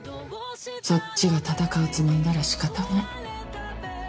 そっちが戦うつもりなら仕方ない。